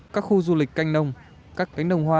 các khu du lịch canh nông các cánh đồng hoa